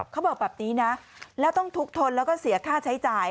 เขาบอกแบบนี้นะแล้วต้องทุกข์ทนแล้วก็เสียค่าใช้จ่าย